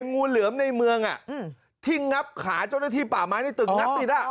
งูเหลือมในเมืองอ่ะอืมทิ้งงับขาเจ้าหน้าที่ป่าไม้ในตึกนักนี่ล่ะ